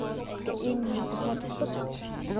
Ka ing na ka puanh tuk.